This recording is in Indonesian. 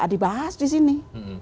enggak dibahas di sini